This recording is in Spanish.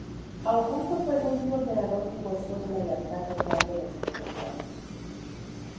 Augusto fue el único emperador que gozó de la lealtad total de los pretorianos.